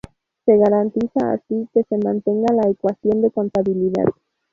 Se garantiza así que se mantenga la ecuación de contabilidad.